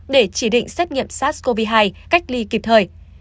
để chỉ định xét nghiệm sars cov hai cách ly kịp thời